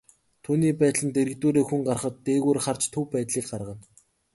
Түүний байдал нь дэргэдүүрээ хүн гарахад, дээгүүр харж төв байдлыг гаргана.